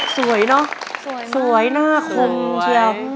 สวยเนอะสวยหน้าคมเชียว